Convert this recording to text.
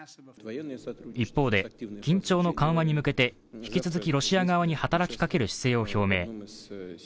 一方で、緊張の緩和に向けて引き続きロシア側に働きかける姿勢を表明。